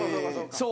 そう。